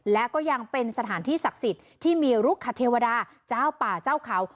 และก็ยังเป็นสถานที่ศักดิ์สิทธิ์ที่มีรุกขเทวดาเจ้าป่าเจ้าเขา